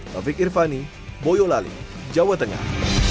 taufik irvani boyo lali jawa tengah